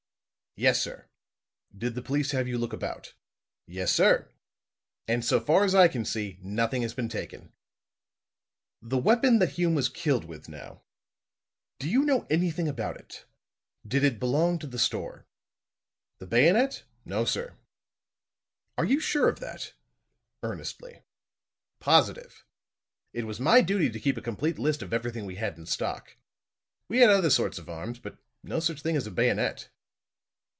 "Yes, sir." "Did the police have you look about?" "Yes, sir. And so far as I can see, nothing has been taken." "The weapon that Hume was killed with, now. Do you know anything about it did it belong to the store?" "The bayonet? No, sir." "Are you sure of that?" earnestly. "Positive. It was my duty to keep a complete list of everything we had in stock. We had other sorts of arms, but no such thing as a bayonet."